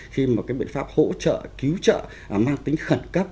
khi mà cái biện pháp hỗ trợ cứu trợ mang tính khẩn cấp